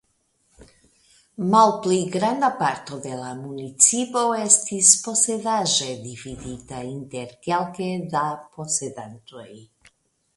Malpli granda parto de la municipo estis posedaĵe dividita inter kelke da posedantoj.